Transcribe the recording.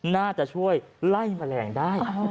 น่าจะช่วยไล่แมลงได้